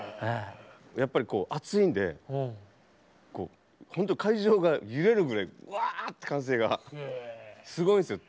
やっぱり熱いんでほんと会場が揺れるぐらいわって歓声がすごいんですよ。